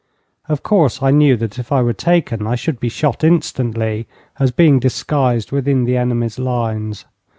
Of course, I knew that if I were taken I should be shot instantly as being disguised within the enemy's lines.